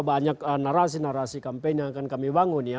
banyak narasi narasi kampanye yang akan kami bangun ya